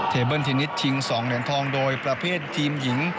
เบิ้ลเทนนิสชิง๒เหรียญทองโดยประเภททีมหญิง